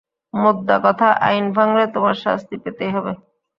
মোদ্দা কথা, আইন ভাঙলে তোমার শাস্তি পেতেই হবে।